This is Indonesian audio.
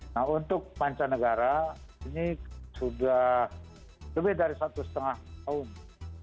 nah untuk mancanegara ini sudah lebih dari satu setengah tahun off